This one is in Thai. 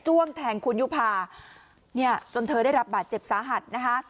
้วงแทงคุณยุภาเนี่ยจนเธอได้รับบาดเจ็บสาหัสนะคะ